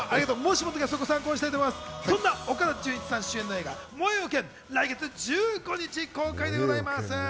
岡田准一さん主演の映画『燃えよ剣』来月１５日公開でございます。